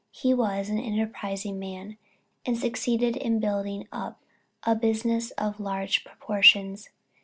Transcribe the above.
He was an enterprising man, and succeeded in building up a business of large proportions.